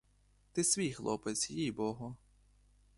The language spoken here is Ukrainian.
Ти свій хлопець, їй-богу!